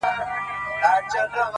دا چې درنې درنې پګهړؽ خرڅووم